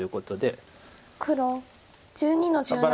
黒１２の十七。